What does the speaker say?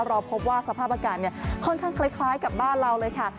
เราพบว่าสภาพอากาศค่อนข้างคล้ายกับบ้านเราเลยค่ะ